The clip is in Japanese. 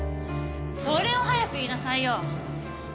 それを早く言いなさいよ！